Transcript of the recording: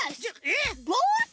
えっ！？